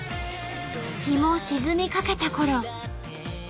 日も沈みかけたころ。